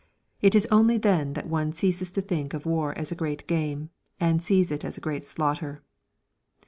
It is only then that one ceases to think of war as a great game, and sees it as a great slaughter!